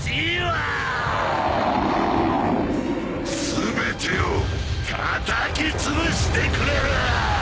全てをたたきつぶしてくれる！